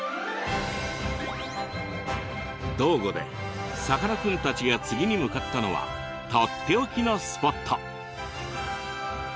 島後でさかなクンたちが次に向かったのはとっておきのスポット。